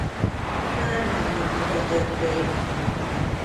Már nem önmaga többé.